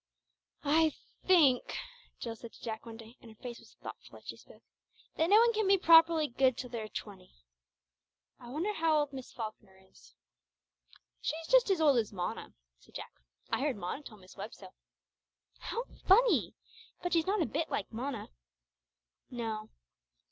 "I think," Jill said to Jack, one day, and her face was thoughtful as she spoke, "that no one can be properly good till they are twenty. I wonder how old Miss Falkner is." "She's just as old as Mona," said Jack. "I heard Mona tell Miss Webb so." "How funny! But she's not a bit like Mona." "No.